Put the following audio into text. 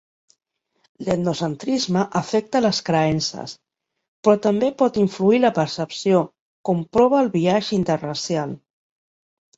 L'etnocentrisme afecta les creences, però també pot influir la percepció, com prova el biaix interracial.